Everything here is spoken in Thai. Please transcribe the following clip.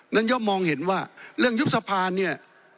นั่นยอมมองเห็นว่าเรื่องยุคสภานี่